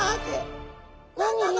「何なの？